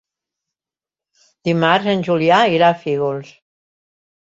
Dimarts en Julià irà a Fígols.